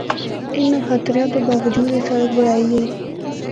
اِناں خطریاں تو باوجو اے سڑک بنڑائی گئی۔